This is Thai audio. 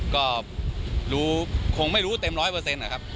ก็รู้คงไม่รู้เต็มร้อยเปอร์เซ็นต์นะครับ